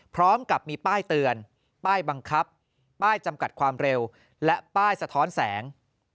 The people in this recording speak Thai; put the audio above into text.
พร้อมกับมีป้ายเตือนป้ายบังคับป้ายจำกัดความเร็วและป้ายสะท้อนแสง